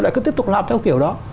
lại cứ tiếp tục làm theo kiểu đó